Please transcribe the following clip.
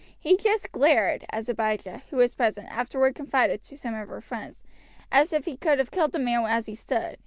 He just glared, as Abijah, who was present, afterward confided to some of her friends, as if he could have killed the man as he stood.